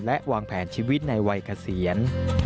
และวางแผนชีวิตในวัยเกษียณ